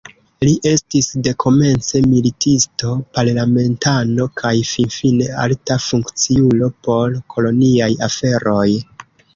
Li estis dekomence militisto, parlamentano kaj finfine alta funkciulo por koloniaj aferoj.